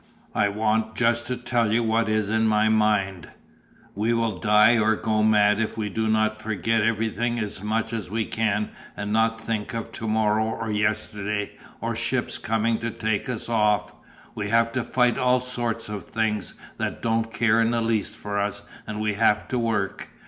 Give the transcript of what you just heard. I want just to tell you what is in my mind: we will die or go mad if we do not forget everything as much as we can and not think of to morrow or yesterday or ships coming to take us off. We have to fight all sorts of things that don't care in the least for us and we have to work.